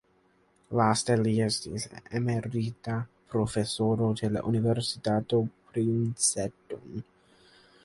Laste li estis emerita profesoro ĉe la Universitato Princeton.